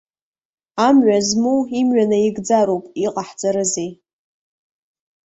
Амҩа змоу имҩа наигӡароуп, иҟаҳҵарызеи.